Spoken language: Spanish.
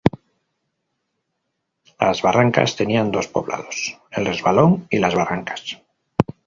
Las Barrancas tenía dos poblados: El Resbalón y Las Barrancas.